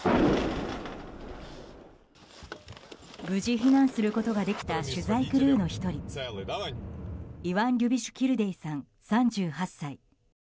無事、避難することができた取材クルーの１人イワン・リュビシュキルデイさん３８歳。